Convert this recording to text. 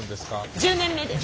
１０年目です。